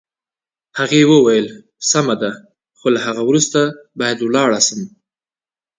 هغې وویل: سمه ده، خو له هغه وروسته باید ولاړه شم.